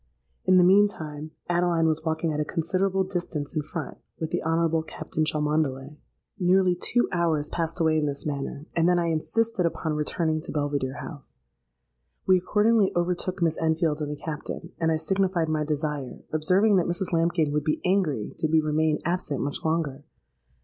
In the mean time Adeline was walking at a considerable distance in front, with the Honourable Captain Cholmondeley. "Nearly two hours passed away in this manner; and then I insisted upon returning to Belvidere House. We accordingly overtook Miss Enfield and the Captain; and I signified my desire, observing that Mrs Lambkin would be angry did we remain absent much longer.